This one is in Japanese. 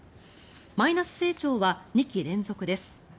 マイナス成長は２期連続です。